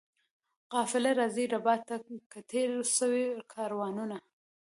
قافله راځي ربات ته که تېر سوي کاروانونه؟